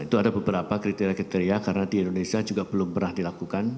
itu ada beberapa kriteria kriteria karena di indonesia juga belum pernah dilakukan